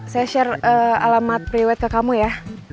saya share alamat pre wed ke kamu ya